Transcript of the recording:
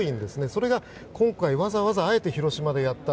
それが、今回わざわざあえて広島でやった。